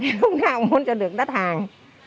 thì lúc nào cũng muốn cho được đắt hàng